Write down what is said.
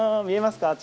見えますか？